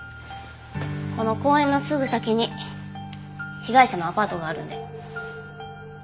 この公園のすぐ先に被害者のアパートがあるんで。